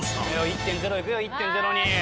１．０行くよ１．０に。